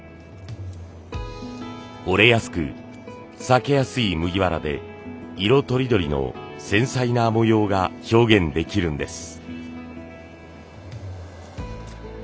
折れやすく裂けやすい麦わらで色とりどりの繊細な模様が表現できるんです。